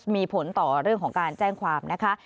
มีผลต่อเรื่องของการแจ้งความนะคะ